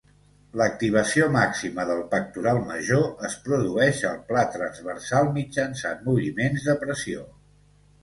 L'activació màxima del pectoral major es produeix al pla transversal mitjançant moviments de pressió.